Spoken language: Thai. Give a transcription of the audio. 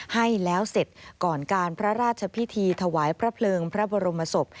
ให้แล้วเสร็จก่อนการพระราชพิธีถวายพระเพลิงพระบรมศพ